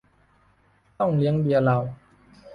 ต้องเลี้ยงเบียร์เรา